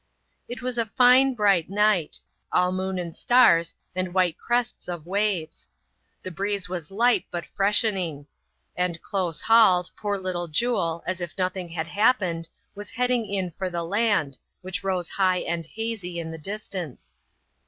It was a fine bright night ; all moon and stars, and white crests of waves. The breeze was light but freshening; and close hauled, poor little Jule, as if nothing had happened, wss heading in for the land, which rose high and hazy in the distance.